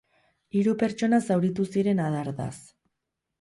Hiru pertsona zauritu ziren adardaz.